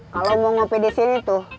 kalau mau ngopi disini tuh